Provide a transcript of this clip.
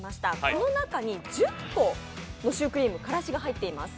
この中に１０個のシュークリーム、からしが入っています。